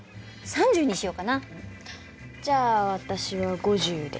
じゃあ私は５０で。